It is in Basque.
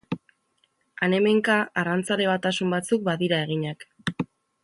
Han-hemenka arrantzale batasun batzuk badira eginak.